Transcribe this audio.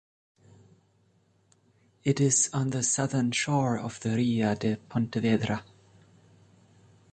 It is on the southern shore of the Ria de Pontevedra.